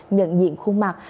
nhận diện khuôn mặt